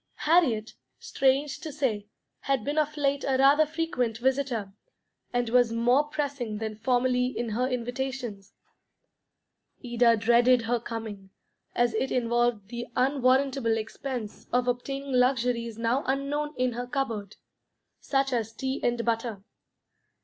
Harriet, strange to say, had been of late a rather frequent visitor, and was more pressing than formerly in her invitations. Ida dreaded her coming, as it involved the unwarrantable expense of obtaining luxuries now unknown in her cupboard, such as tea and butter.